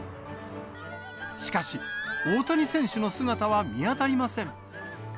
しかし、大谷選手の姿は見当たりません。